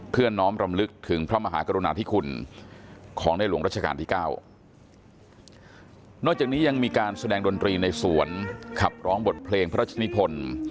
น้อมรำลึกถึงพระมหากรุณาธิคุณของในหลวงรัชกาลที่เก้านอกจากนี้ยังมีการแสดงดนตรีในสวนขับร้องบทเพลงพระราชนิพล